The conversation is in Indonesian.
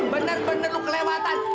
bener bener lu kelewatan